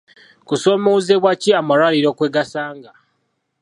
Kusoomozebwa ki amalwaliro kwe gasanga?